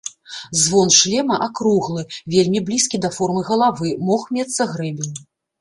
Звон шлема акруглы, вельмі блізкі да формы галавы, мог мецца грэбень.